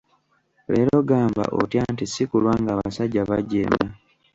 Leero, gamba, otya nti si kulwa ng'abasajja bajeema.